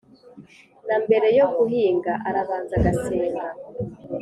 na mbere yo guhinga arabanza agasenga